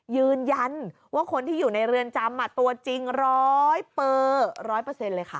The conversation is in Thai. ยืนยันว่าคนที่อยู่ในเรือนจำตัวจริง๑๐๐เลยค่ะ